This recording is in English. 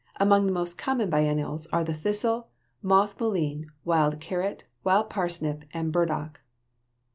Among the most common biennials are the thistle, moth mullein, wild carrot, wild parsnip, and burdock.